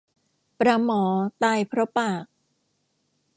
ปลาหมอตายเพราะปาก